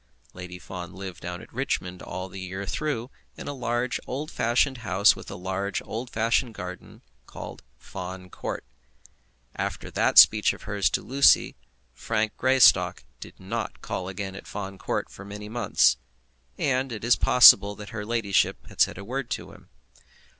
Lady Fawn lived down at Richmond all the year through, in a large old fashioned house with a large old fashioned garden, called Fawn Court. After that speech of hers to Lucy, Frank Greystock did not call again at Fawn Court for many months, and it is possible that her ladyship had said a word also to him.